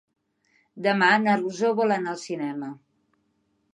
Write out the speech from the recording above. Demà na Rosó vol anar al cinema.